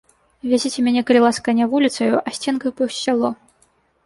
Вязіце мяне, калі ласка, не вуліцаю, а сценкаю паўз сяло.